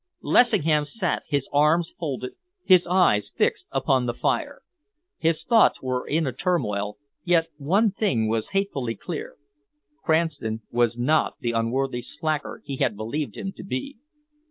Lessingham sat, his arms folded, his eyes fixed upon the fire. His thoughts were in a turmoil, yet one thing was hatefully clear. Cranston was not the unworthy slacker he had believed him to be.